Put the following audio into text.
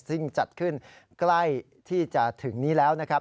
ซึ่งจัดขึ้นใกล้ที่จะถึงนี้แล้วนะครับ